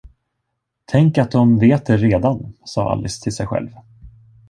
Tänk att dom vet det redan, sade Alice till sig själv.